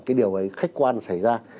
cái điều ấy khách quan xảy ra